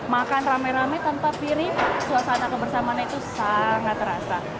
makan rame rame tanpa piring suasana kebersamaan itu sangat terasa